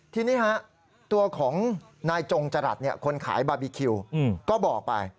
ทีนี้ตัวของนายจงจรัสคนขายบาร์บีคิวก็บอกไป